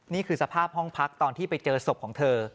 นี่คือสภาพห้องพักตอนที่ไปเจอศพของเธอ